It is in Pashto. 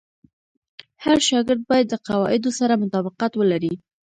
هر شاګرد باید د قواعدو سره مطابقت ولري.